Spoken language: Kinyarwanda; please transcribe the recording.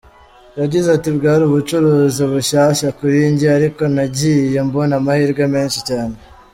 Yagize ati ‘‘Bwari ubucuruzi bushyashya kuri njye, ariko nagiye mbona amahirwe menshi cyane.